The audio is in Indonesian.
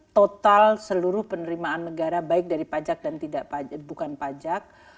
total seluruh penerimaan negara baik dari pajak dan bukan pajak